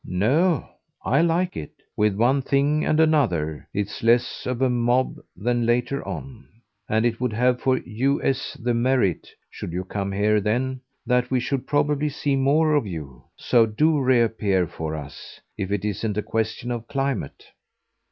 "No I like it, with one thing and another; it's less of a mob than later on; and it would have for US the merit should you come here then that we should probably see more of you. So do reappear for us if it isn't a question of climate."